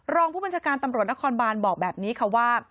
รองผู้บัญชาการตำรวจนครบานบอกแบบนี้ค่ะว่า